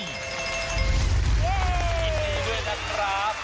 ยินดีด้วยนะครับ